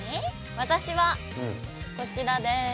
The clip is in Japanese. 私はこちらです。